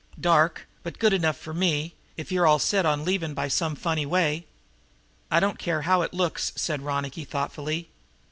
"Dark, but good enough for me, if you're all set on leaving by some funny way." "I don't care how it looks," said Ronicky thoughtfully.